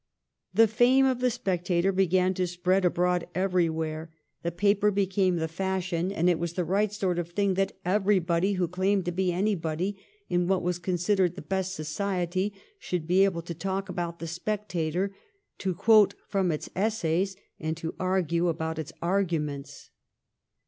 The fame of 'The Spectator' began to spread abroad everywhere. The paper became the fashion, 176 THE KEIGN OF QUEEN ANNE. ch. xxix. and it was the right sort of thing that everybody who claimed to be anybody in what was considered the best society should be able to talk about ' The Spectator/ to quote from its essays, and to argue about its arguments.